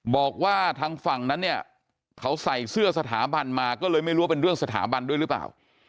บอกว่าทางฝั่งนั้นเนี่ยเขาใส่เสื้อสถาบันมาก็เลยไม่รู้ว่าเป็นเรื่องสถาบันด้วยหรือเปล่า